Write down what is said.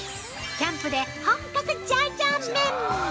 キャンプで本格ジャージャー麺。